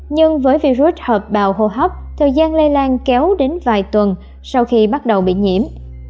nhưng với virus hợp bào hô hấp thời gian lây lan kéo đến vài tuần sau khi bắt đầu bị nhiễm